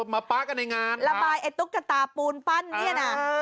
มาป๊ากันในงานระบายไอ้ตุ๊กตาปูนปั้นเนี่ยนะ